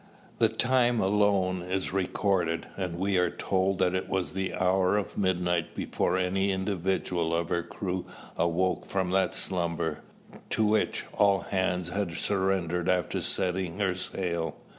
The time alone is recorded; and we are told that it was the hour of midnight before any individual of her crew awoke from that slumber, to which "all hands" had surrendered after setting her sail.